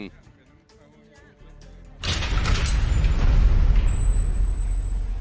ทำให้รถจักรยานยนต์สะบัดแล้วเสียหลักตกข้างทาง